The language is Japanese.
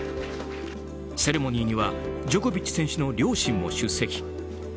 セレモニーにはジョコビッチ選手の両親も出席。